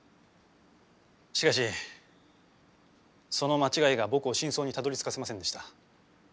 しかしその間違いが僕を真相にたどりつかせませんでした。